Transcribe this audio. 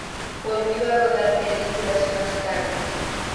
Volvió a rodar películas más tarde.